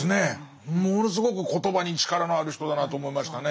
ものすごく言葉に力のある人だなと思いましたね。